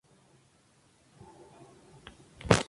Y habita dentro de la Reserva de la Biósfera Tehuacán-Cuicatlán.